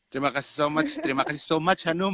terima kasih so much terima kasih so much anum